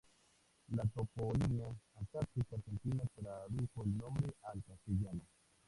La toponimia antártica argentina tradujo el nombre al castellano.